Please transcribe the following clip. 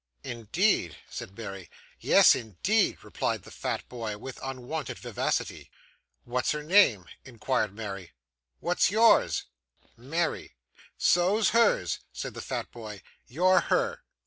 'Indeed!' said Mary. 'Yes, indeed!' replied the fat boy, with unwonted vivacity. 'What's her name?' inquired Mary. 'What's yours?' 'Mary.' 'So's hers,' said the fat boy. 'You're her.